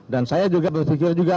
dan saya juga berpikir juga